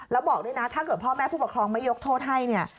แล้วบอกด้วยนะถ้าเกิดพ่อแม่ผู้ปกครองไม่ยกโทษให้เนี่ย